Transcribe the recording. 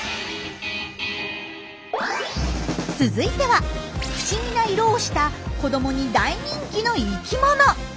続いては不思議な色をした子どもに大人気の生きもの。